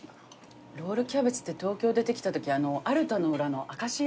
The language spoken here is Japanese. ロールキャベツって東京出てきたときアルタの裏のアカシア。